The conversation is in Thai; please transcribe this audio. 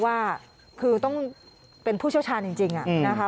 ว่าคือต้องเป็นผู้เชี่ยวชาญจริงนะคะ